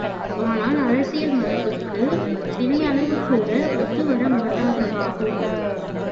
ஆனால், அரசியல் மரபுக்கு தினையளவுகூட ஒத்துவரமாட்டாததாகும்!...